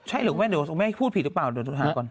ใช่หรือไม่เดี๋ยวคุณแม่พูดผิดหรือเปล่าโดยทุกทางก่อน